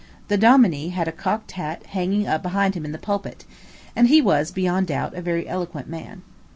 The dominie had a cocked hat hanging up behind him in the pulpit; and he was, beyond doubt, a very eloquent man.